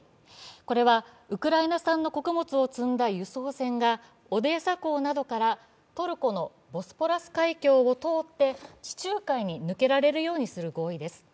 これはウクライナ産の穀物を積んだ輸送船がオデーサ港などからトルコのボスポラス海峡を通って地中海に抜けられるようにする合意です。